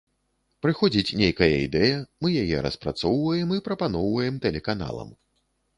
Прыходзіць нейкая ідэя, мы яе распрацоўваем і прапаноўваем тэлеканалам.